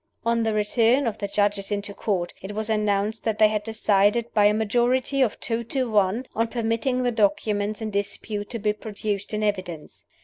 On the return of the Judges into Court, it was announced that they had decided, by a majority of two to one, on permitting the documents in dispute to be produced in evidence.